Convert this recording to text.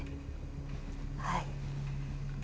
はい。